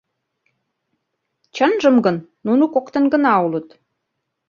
Чынжым гын, нуно коктын гына улыт.